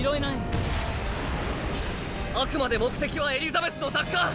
あくまで目的はエリザベスの奪還。